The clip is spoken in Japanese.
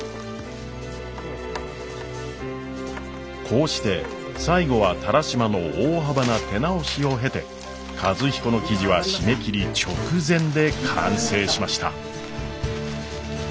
こうして最後は田良島の大幅な手直しを経て和彦の記事は締め切り直前で完成しました。